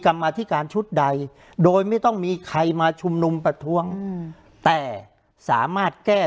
กรรมาธิการชุดใดโดยไม่ต้องมีใครมาชุมนุมประท้วงแต่สามารถแก้